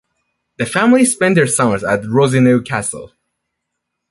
The family spent their summers at Rosenau Castle.